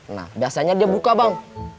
nah biasanya dia buka bang